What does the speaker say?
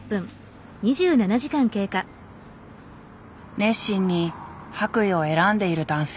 熱心に白衣を選んでいる男性。